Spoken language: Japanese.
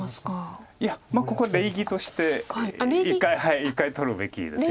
いやここは礼儀として１回取るべきですよね。